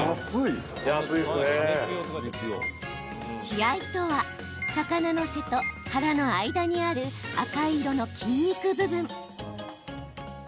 血合いとは魚の背と腹の間にある赤い色の筋肉部分。